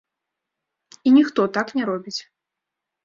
І ніхто так не робіць.